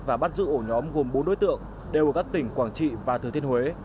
và bắt giữ ổ nhóm gồm bốn đối tượng đều ở các tỉnh quảng trị và thừa thiên huế